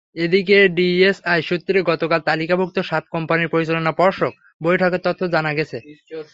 এদিকে ডিএসই সূত্রে গতকাল তালিকাভুক্ত সাত কোম্পানির পরিচালনা পর্ষদ বৈঠকের তথ্য জানা গেছে।